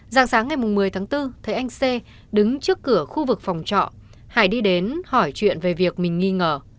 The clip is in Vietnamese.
dạng sáng ngày một mươi tháng bốn thấy anh c đứng trước cửa khu vực phòng trọ hải đi đến hỏi chuyện về việc mình nghi ngờ